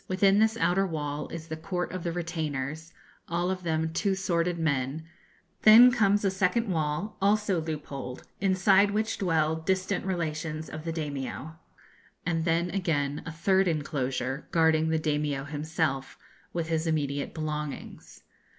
Within this outer wall is the court of the retainers, all of them 'two sworded' men; then comes a second wall, also loopholed, inside which dwell distant relations of the Daimio; and then again a third enclosure, guarding the Daimio himself, with his immediate belongings.